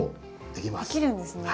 できるんですね。